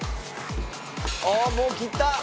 ああもう切った！